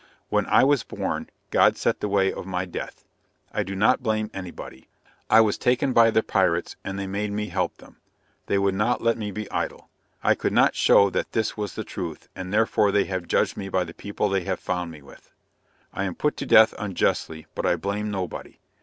When I was born, God set the way of my death; I do not blame any body. I was taken by the pirates and they made me help them; they would not let me be idle. I could not show that this was the truth, and therefore they have judged me by the people they have found me with. I am put to death unjustly, but I blame nobody.